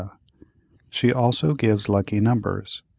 She also gives lucky numbers.